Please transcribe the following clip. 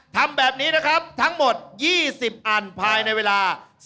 ทำแบบนี้นะครับทั้งหมด๒๐อันภายในเวลา